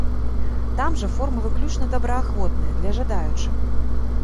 Там жа форма выключна добраахвотная, для жадаючых.